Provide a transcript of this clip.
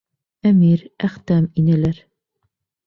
Әмир, Әхтәм инәләр.